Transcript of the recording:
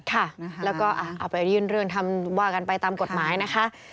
ค่ะแล้วก็เอาไปยื่นเรื่องทำว่ากันไปตามกฎหมายนะคะ